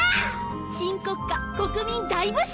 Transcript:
「新国家国民大募集！」